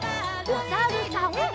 おさるさん。